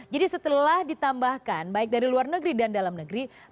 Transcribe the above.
jadi setelah ditambahkan baik dari luar negeri dan dalam negeri